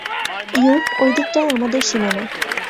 You, ওদিকটায় আমাদের সীমানা।